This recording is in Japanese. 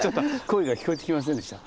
声が聞こえてきませんでした？